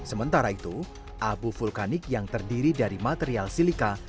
sementara itu abu vulkanik yang terdiri dari material silika